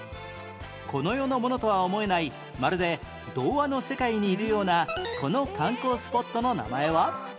この世のものとは思えないまるで童話の世界にいるようなこの観光スポットの名前は？